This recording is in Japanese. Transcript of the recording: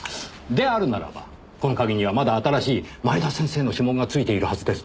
であるならばこの鍵にはまだ新しい前田先生の指紋が付いているはずですねぇ。